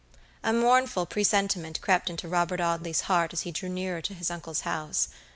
A mournful presentiment crept into Robert Audley's heart as he drew nearer to his uncle's house.